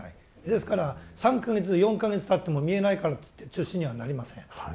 ですから３か月４か月たっても見えないからといって中止にはなりません。